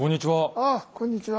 ああこんにちは。